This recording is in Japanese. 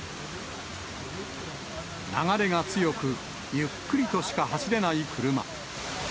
流れが強く、ゆっくりとしか走れない車。